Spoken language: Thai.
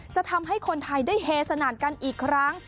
จะทำให้คนไทยได้เฮสนานกันอีกครั้ง